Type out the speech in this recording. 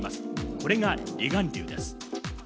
これが離岸流です。